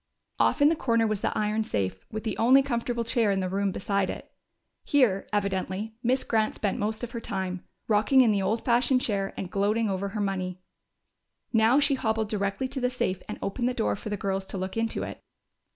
Off in the corner was the iron safe, with the only comfortable chair in the room beside it. Here, evidently, Miss Grant spent most of her time, rocking in the old fashioned chair and gloating over her money. Now she hobbled directly to the safe and opened the door for the girls to look into it.